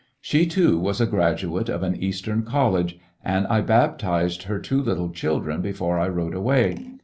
She, too, was a graduate of an Eastern college, and I baptized her two little children before I rode away.